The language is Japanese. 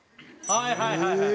はいはいはいはい。